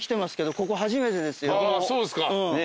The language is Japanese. そうっすか？